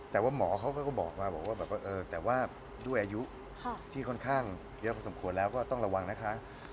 แต่ว่าอยู่อายุที่ค่อนข้างชอบประสบควรแล้วก็ต้องระวังนะคะ